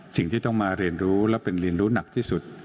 สิ่งที่ต้องมาเรียนรู้และเป็นเรียนรู้หนักที่สุด